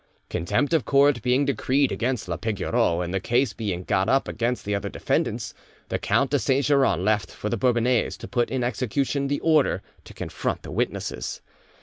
Contempt of court being decreed against la Pigoreau, and the case being got up against the other defendants, the Count de Saint Geran left for the Bourbonnais, to put in execution the order to confront the witnesses.